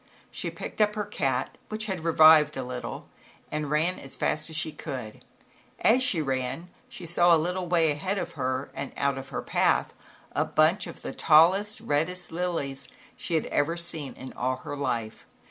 She picked up her cat, which had revived a little, and ran as fast as she could. As she ran she saw \A& little way ahead of her and outfejgy^^\path, a 110 ZAUBERLINDA, THE WISE WITCH. bunch of the tallest reddest lilies she had ever seen in all her life.